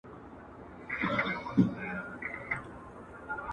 د الجاثيه سورت په {حم} شروع سوی دی.